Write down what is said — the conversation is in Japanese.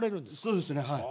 そうですねはい。